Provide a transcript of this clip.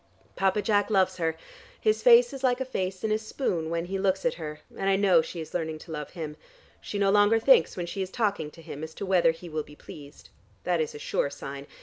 Papa Jack loves her; his face is like a face in a spoon when he looks at her, and I know she is learning to love him. She no longer thinks when she is talking to him, as to whether he will be pleased. That is a sure sign.